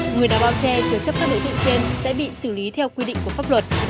người đã bao che chứa chấp các đối tượng trên sẽ bị xử lý theo quy định của pháp luật